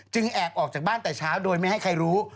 แอบออกจากบ้านแต่เช้าโดยไม่ให้ใครรู้